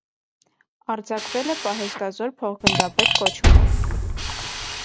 Արձակվել է պահեստազոր փոխգնդապետ կոչումով։